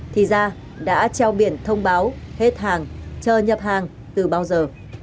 thì gia đã treo biển thông báo hết hàng chờ nhập hàng từ bao giờ